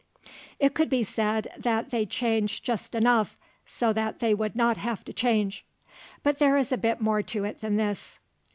It could be said that they changed just enough so that they would not have to change. But there is a bit more to it than this.